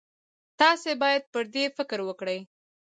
تاسې باید پر دې فکر وکړئ.